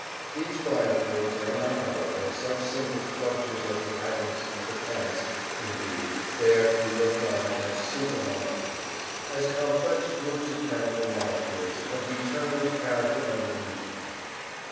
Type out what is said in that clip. These biophors are not, however, such simple structures as the atoms of the chemist, indeed, they are to be looked on as super molecules, as complex groups of chemical molecules, of determined char acter and arrangement.